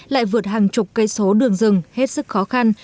lại vượt hàng chục cây số đường rừng hết sức khó khăn